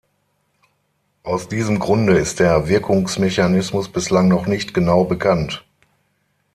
Aus diesem Grunde ist der Wirkungsmechanismus bislang noch nicht genau bekannt.